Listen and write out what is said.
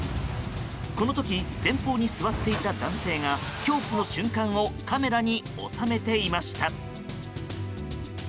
この時、前方に座っていた男性が恐怖の瞬間をカメラに収めていました。